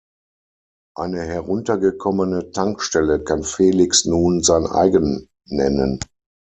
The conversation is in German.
Eine heruntergekommene Tankstelle kann Felix nun sein Eigen nennen.